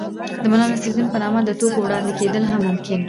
د ملا نصر الدين په نامه د ټوکو وړاندې کېدل هم ممکن